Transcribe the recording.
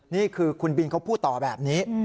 นี่คือคุณบินเขาพูดต่อแบบนี้